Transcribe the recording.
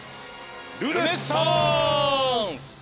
ルネッサンス！